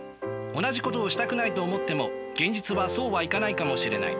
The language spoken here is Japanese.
同じことをしたくないと思っても現実はそうはいかないかもしれない。